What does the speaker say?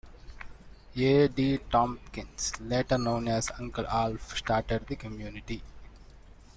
A. D. Tompkins, later known as "Uncle Alf", started the community.